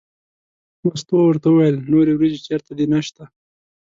مستو ورته وویل نورې وریجې چېرته دي نشته.